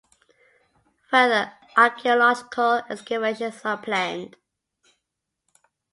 Further archaeological excavations are planned.